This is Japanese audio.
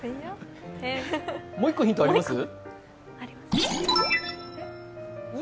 もう１個、ヒントあります？